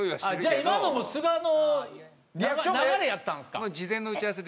じゃあ今のもすがの流れやったんですか？